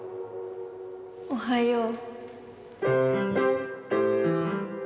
おはよう